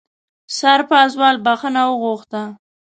سرپازوال بښنه وغوښته.